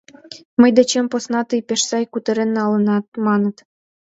Мый дечем посна тый пеш сай кутырен налынат, маныт...